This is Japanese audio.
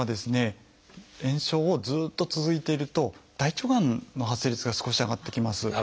炎症をずっと続いていると大腸がんの発生率が少し上がってきます。